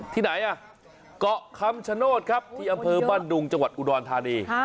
ที่ไหนอ่ะเกาะคำชโนธครับที่อำเภอบ้านดุงจังหวัดอุดรธานี